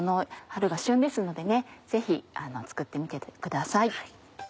春が旬ですのでぜひ作ってみてください。